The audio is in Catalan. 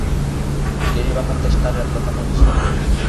I què li va contestar el protagonista?